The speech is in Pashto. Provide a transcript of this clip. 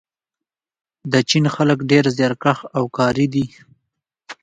د چین خلک ډېر زیارکښ او کاري دي.